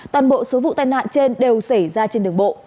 toàn bộ số vụ tân hạn trên đều xảy ra trên đường bộ